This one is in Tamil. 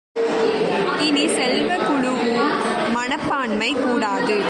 இனிய செல்வ, குழூஉ மனப்பான்மை கூடாது.